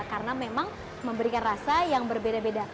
karena memang memberikan rasa yang berbeda beda